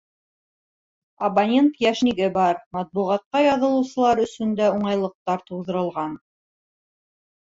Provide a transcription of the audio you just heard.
Абонент йәшниге бар, матбуғатҡа яҙылыусылар өсөн дә уңайлыҡтар тыуҙырылған.